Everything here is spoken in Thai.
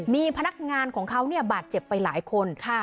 มีพนักงานของเขาเนี่ยบาดเจ็บไปหลายคนค่ะ